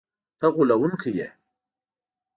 ته غولونکی یې!”